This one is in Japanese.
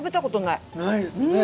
ないですね。